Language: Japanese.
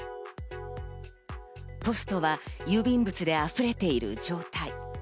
ポストは郵便物であふれている状態。